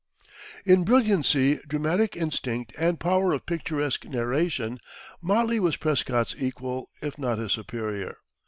In brilliancy, dramatic instinct and power of picturesque narration, Motley was Prescott's equal, if not his superior.